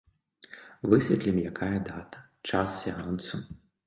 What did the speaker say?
Высветлім, якая дата, час сеансу.